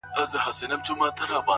اوس خو رڼاگاني كيسې نه كوي.